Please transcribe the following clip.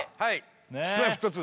Ｋｉｓ−Ｍｙ−Ｆｔ２